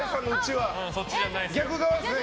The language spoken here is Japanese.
逆側ですね。